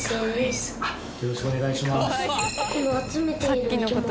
よろしくお願いします。